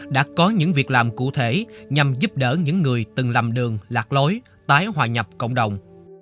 đã có những việc làm cụ thể nhằm giúp đỡ những người từng làm đường lạc lối tái hòa nhập cộng đồng